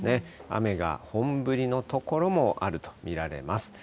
雨が本降りの所もあると見られます。